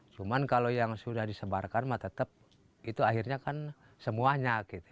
cuma kalau yang sudah disebarkan mah tetap itu akhirnya kan semuanya